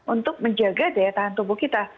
untuk menjaga daya tahan tubuh kita